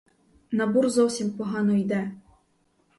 На бур зовсім погано йде.